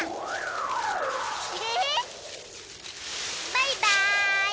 バイバーイ！